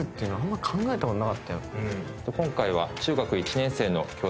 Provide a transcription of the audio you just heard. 今回は。